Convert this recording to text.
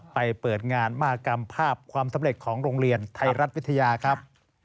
เปิดงานมหากรรมภาพความสำเร็จของโรงเรียนไทยรัฐวิทยาครับ